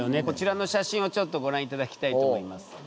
こちらの写真をちょっとご覧いただきたいと思います。